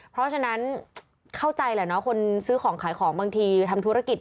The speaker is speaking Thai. เพราะฉะนั้นเข้าใจแหละเนาะคนซื้อของขายของบางทีทำธุรกิจ